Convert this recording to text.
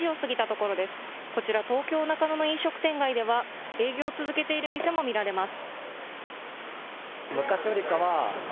こちら東京中野の飲食店街では営業を続けている店も見られます。